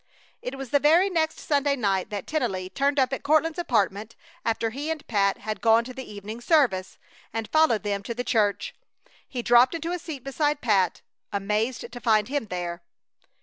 It was the very next Sunday night that Tennelly turned up at Courtland's apartment after he and Pat had gone to the evening service, and followed them to the church. He dropped into a seat beside Pat, amazed to find him there.